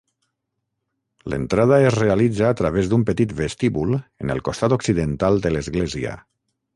L'entrada es realitza a través d'un petit vestíbul en el costat occidental de l'església.